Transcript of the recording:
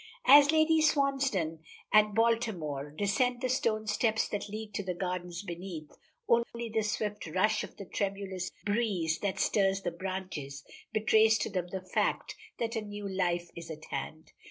As Lady Swansdown and Baltimore descend the stone steps that lead to the gardens beneath, only the swift rush of the tremulous breeze that stirs the branches betrays to them the fact that a new life is at hand.